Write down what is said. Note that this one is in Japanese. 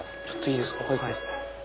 ちょっといいですか？